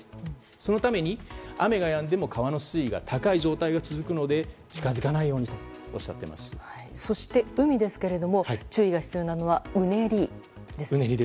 そのために雨がやんでも川の水位が高い状態が続くので近づかないようにとそして海ですけれども注意が必要なのはうねりですね。